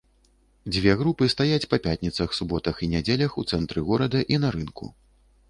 Дзве групы стаяць па пятніцах, суботах і нядзелях у цэнтры горада і на рынку.